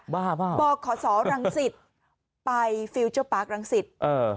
บ้าบอกขอสอรังศิษย์ไปฟิวเจอร์ปาร์ครังศิษย์